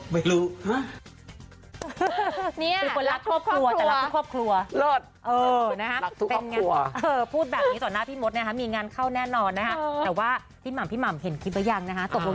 พี่ผู้ชมไปฟังเดี๋ยวค่ะเสียงหมาข้อบคุณ